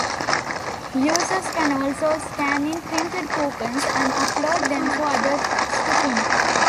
Users can also scan in printed coupons and upload them for others to print.